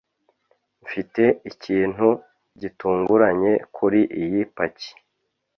Mfite ikintu gitunguranye kuri iyi paki.